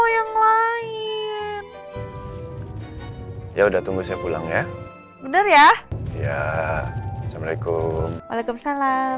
yang lain ya udah tunggu saya pulang ya bener ya ya assalamualaikum waalaikumsalam